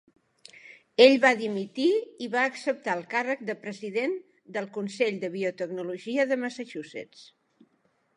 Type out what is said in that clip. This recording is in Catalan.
Ell va dimitir i va acceptar el càrrec de President del Consell de Biotecnologia de Massachusetts.